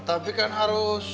tapi kan harus